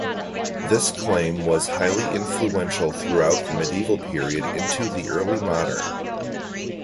This claim was highly influential throughout the medieval period into the Early Modern.